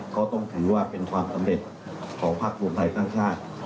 เขาต้องถือว่าเป็นความสำเร็จของภาครวมไทยสร้างชาติ